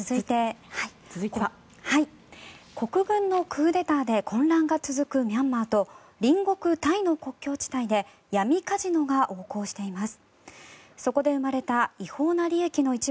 国軍のクーデターで混乱が続くミャンマーと隣国タイの国境地帯で闇カジノが横行しています。